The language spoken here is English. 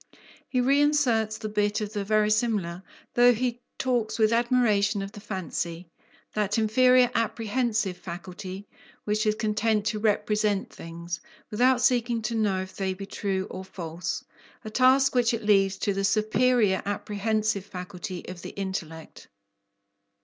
He reinserts the bit of the verisimilar, though he talks with admiration of the fancy, that "inferior apprehensive" faculty, which is content to "represent" things, without seeking to know if they be true or false, a task which it leaves to the "superior apprehensive" faculty of the intellect.